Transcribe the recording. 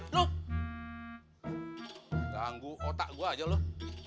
dok ganggu otak gue aja loh